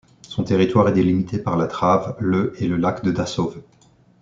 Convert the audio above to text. Son territoire est délimité par la Trave, le et le lac de Dassow.